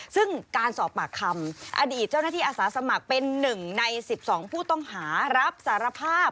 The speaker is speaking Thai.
ซึ่งการสอบปากคำอดีตเจ้าหน้าที่อาสาสมัครเป็น๑ใน๑๒ผู้ต้องหารับสารภาพ